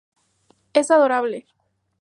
Es adorable".